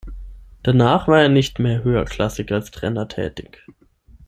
Danach war er nicht mehr höherklassig als Trainer tätig.